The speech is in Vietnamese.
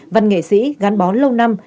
văn nghệ sĩ gắn bó lâu năm